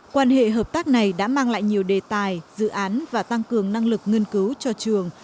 quan hệ hợp tác này đã mang lại nhiều đề tài dự án và tăng cường năng lực nghiên cứu cho trường